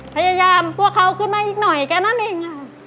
พยายามพวกเขาขึ้นมาอีกหน่อยแค่นั้นเอง